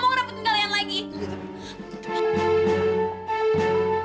udah nggak usah tahan tahan aku